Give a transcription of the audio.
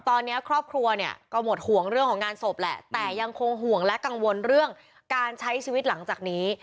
ตอนนี้ครอบครัวเนี่ยก็หมดห่วงเรื่องของงานศพแหละแต่ยังคงห่วงและกังวลเรื่องการใช้ชีวิตหลังจากนี้